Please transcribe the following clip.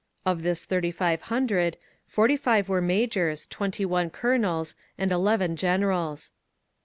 Of this thirty five hundred, forty five were majors, twenty one colonels, and eleven generals.